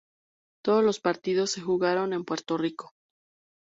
Todos los partidos se jugaron en Puerto Rico.